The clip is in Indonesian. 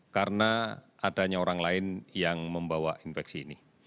karena adanya orang lain yang membawa infeksi ini